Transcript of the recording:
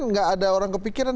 tidak ada orang kepikiran